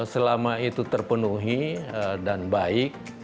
selama itu terpenuhi dan baik